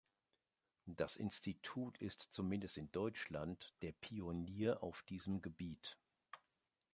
Das Institut ist zumindest in Deutschland der Pionier auf diesem Gebiet.